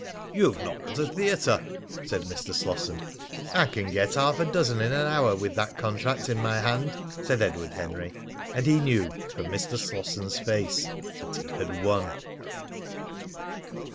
"You've not got a theatre," said Mr. Slosson. "I can get half a dozen in an hour with that contract in my hand," said Edward Henry. And he knew from Mr. Slosson's face that he had won.